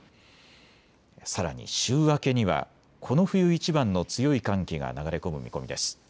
さらに週明けにはこの冬いちばんの強い寒気が流れ込む見込みです。